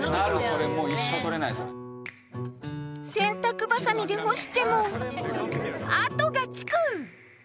洗濯バサミで干しても跡がつく！